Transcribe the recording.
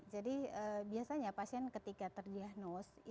jadi biasanya pasien ketika terdiagnos